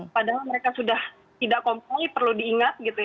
padahal mereka sudah tidak kompon perlu diingat